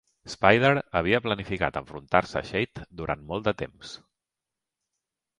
Spider havia planificat enfrontar-se a Shade durant molt de temps.